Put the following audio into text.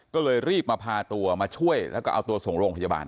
ก็เลยรีบมาพาตัวมาช่วยแล้วก็เอาตัวส่งโรงพยาบาล